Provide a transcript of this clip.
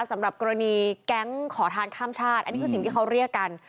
สำหรับกรณีแก๊งขอทานข้ามชาติอันนี้คือสิ่งที่เขาเรียกกัน